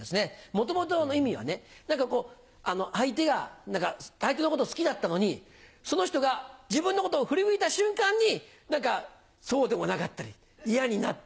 元々の意味はね何かこう相手が相手のこと好きだったのにその人が自分のことを振り向いた瞬間に何かそうでもなかったり嫌になったり。